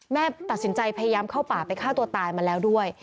แม่ตัดสินใจพยายามเข้าป่าไปฆ่าตัวตายมาแล้วด้วย